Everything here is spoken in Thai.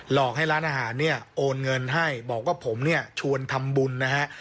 อกให้ร้านอาหารเนี่ยโอนเงินให้บอกว่าผมเนี่ยชวนทำบุญนะฮะ